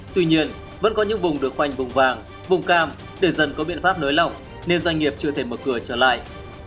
tuy nhiên vẫn có những vùng được khoanh vùng vàng vùng cam để dần có biện pháp nới lỏng nên doanh nghiệp chưa thể mở cửa trở lại